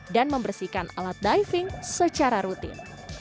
dan membersihkan alat diving secara rutin